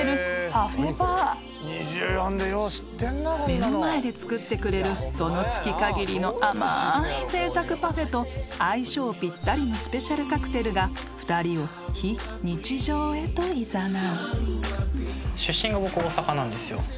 ［目の前で作ってくれるその月かぎりの甘いぜいたくパフェと相性ぴったりのスペシャルカクテルが２人を非日常へといざなう］